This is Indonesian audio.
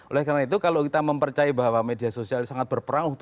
oleh karena itu kalau kita mempercayai bahwa media sosial sangat berperang